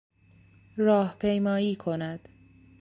راهپیمایی کند